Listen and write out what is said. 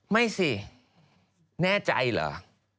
ไม่สิแน่ใจเหรอ